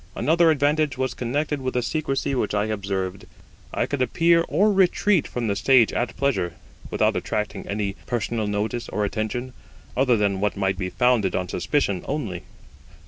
Another advantage was connected with the secrecy which I observed. I could appear or retreat from the stage at pleasure, without attracting any personal notice or attention, other than what might be founded on suspicion only.